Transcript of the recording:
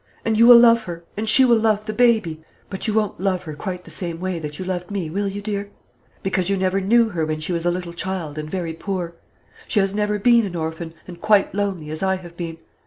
And you will love her, and she will love the baby. But you won't love her quite the same way that you loved me, will you, dear? because you never knew her when she was a little child, and very poor. She has never been an orphan, and quite lonely, as I have been.